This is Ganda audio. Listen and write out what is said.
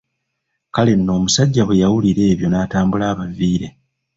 Kale nno omusajja bwe yawulira ebyo n'atambula abaviire.